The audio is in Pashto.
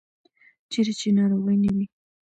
چیرې چې ناروغي نه وي.